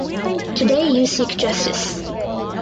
Today you seek justice.